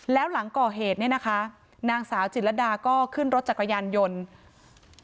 แล้วหลังก่อเหตุเนี่ยนะคะนางสาวจิตรดาก็ขึ้นรถจักรยานยนต์